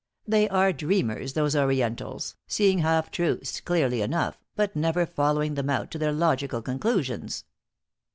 They are dreamers, those Orientals, seeing half truths clearly enough, but never following them out to their logical conclusions."